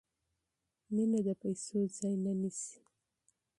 مینه د پیسو ځای نه نیسي.